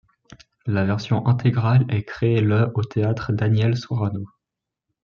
La version intégrale est créée le au Théâtre Daniel-Sorano.